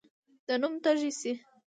د نوم تږی شي.